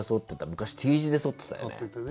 昔Ｔ字でそってたよね。